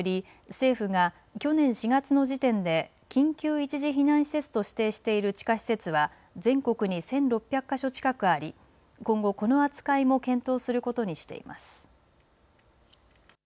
政府が去年４月の時点で緊急一時避難施設と指定している地下施設は全国に１６００か所近くあり今後、この扱いも検討することにしています。